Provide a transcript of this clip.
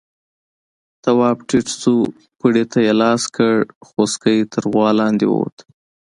تواب ټيټ شو، پړي ته يې لاس کړ، خوسکی تر غوا لاندې ووت.